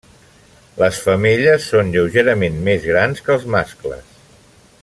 Les femelles són lleugerament més gran que els mascles.